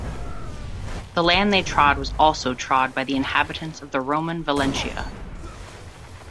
The land they trod was also trod by the inhabitants of the Roman Valentia.